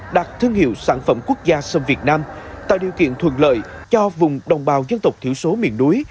đặt thương hiệu sản phẩm quốc gia sâm việt nam tạo điều kiện thuận lợi cho vùng đồng bào dân tộc thiểu số miền núi